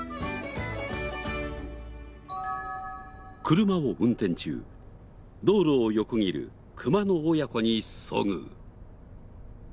車を運転中道路を横切るクマの親子に遭遇。